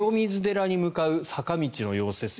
清水寺に向かう坂道の様子です。